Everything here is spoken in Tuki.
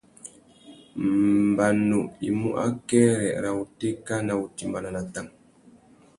Mbanu i mú akêrê râ wutéka nà wutimbāna na tang.